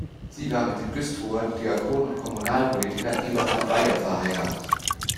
Sie war mit dem Güstrower Diakon und Kommunalpolitiker Eberhard Beyer verheiratet.